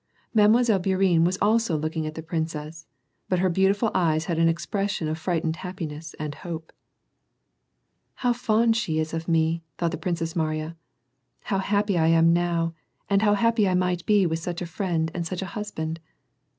Mile. Bourienne was also looking at the princess, but her beautiful eyes had an expres sion of frightened happiness and hope. "How fond she is of me," thought the Princess Mariya. "How happy I am now, and how happy I might be with such a friend and such a husband